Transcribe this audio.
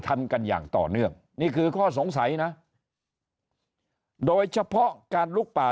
ทำกันอย่างต่อเนื่องนี่คือข้อสงสัยนะโดยเฉพาะการลุกป่า